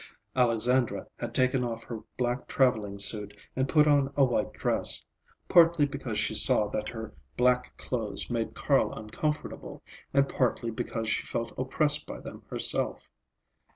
Alexandra had taken off her black traveling suit and put on a white dress; partly because she saw that her black clothes made Carl uncomfortable and partly because she felt oppressed by them herself.